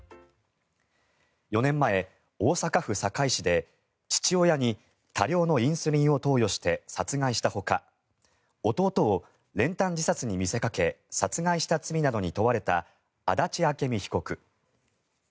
４年前、大阪府堺市で父親に多量のインスリンを投与して、殺害したほか弟を練炭自殺に見せかけ殺害した罪などに問われた足立朱美被告。